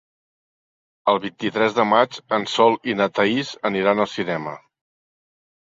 El vint-i-tres de maig en Sol i na Thaís aniran al cinema.